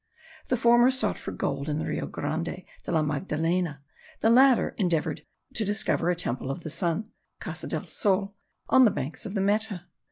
The former sought for gold in the Rio Grande de la Magdalena; the latter endeavoured to discover a temple of the sun (Casa del Sol) on the banks of the Meta.